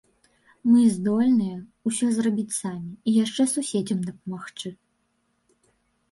Мы здольныя ўсё зрабіць самі, і яшчэ суседзям дапамагчы.